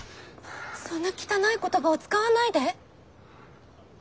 そんな汚い言葉を使わないで。